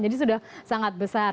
jadi sudah sangat besar